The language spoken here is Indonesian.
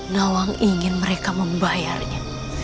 nawang ingin mereka membayarnya